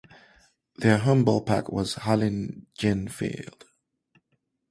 Their home ballpark was Harlingen Field.